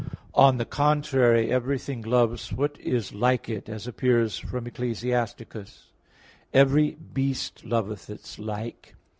On the contrary, Everything loves what is like it, as appears from (Ecclus. 13:19): "Every beast loveth its like."